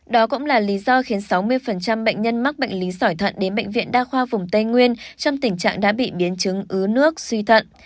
đó cũng là lý do khiến sáu mươi bệnh nhân mắc bệnh lý sỏi thận đến bệnh viện đa khoa vùng tây nguyên trong tình trạng đã bị biến chứng ứ nước suy thận